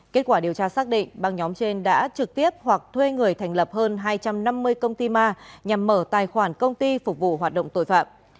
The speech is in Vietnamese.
kết quả điều tra xác định băng nhóm trên đã trực tiếp hoặc thuê người thành lập hơn hai trăm năm mươi công ty ma nhằm mở tài khoản công ty phục vụ hoạt động tội phạm